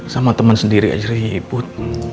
sama temen sendiri aja ribut